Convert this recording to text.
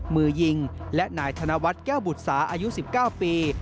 มือยิงและนายธนวัฒน์แก้วบุษาอายุ๑๙ปี